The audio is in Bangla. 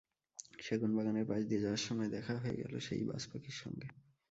সেগুনবাগানের পাশ দিয়ে যাওয়ার সময় দেখা হয়ে গেল সেই বাজপাখির সঙ্গে।